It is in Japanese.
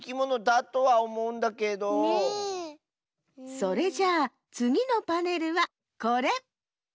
それじゃあつぎのパネルはこれ！